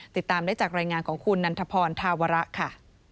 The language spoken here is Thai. ติดตามได้จากรายงานของคุณนันทพรธาวระค่ะ